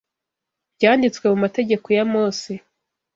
byanditswe mu mategeko ya Mose